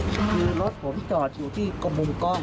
ซึ่งรถผมจอดอยู่ที่ก้อมูลกล้อง